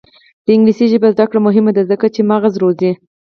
د انګلیسي ژبې زده کړه مهمه ده ځکه چې مغز روزي.